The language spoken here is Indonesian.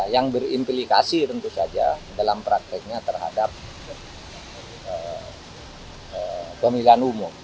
yang berimplikasi tentu saja dalam prakteknya terhadap pemilihan umum